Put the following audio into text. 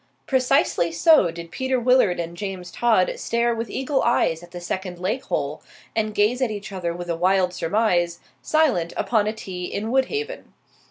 Precisely so did Peter Willard and James Todd stare with eagle eyes at the second lake hole, and gaze at each other with a wild surmise, silent upon a tee in Woodhaven.